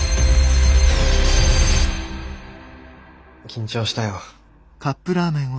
緊張したよ。